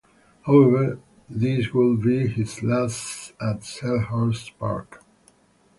However, this would be his last at Selhurst Park.